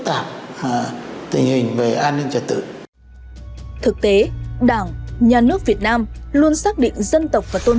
tạp tình hình về an ninh trật tự thực tế đảng nhà nước việt nam luôn xác định dân tộc và tôn